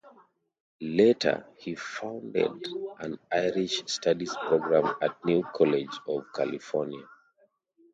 Later, he founded an Irish studies program at New College of California.